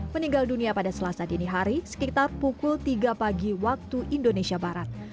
meninggal dunia pada selasa dini hari sekitar pukul tiga pagi waktu indonesia barat